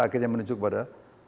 akhirnya menunjuk kepada